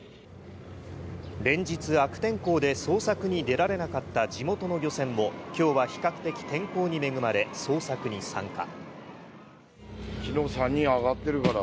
連日、悪天候で捜索に出られなかった地元の漁船も今日は比較的、天候に恵まれ、捜索に参加。